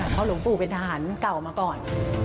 เพราะหลวงปู่เป็นทหารเก่ามาก่อน